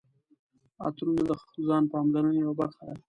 عطرونه د ځان پاملرنې یوه برخه ده.